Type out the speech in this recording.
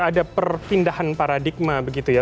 ada perpindahan paradigma begitu ya